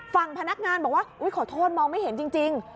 ฝั่งพนักงานบอกว่าอุ๊ยขอโทษมองไม่เห็นจริง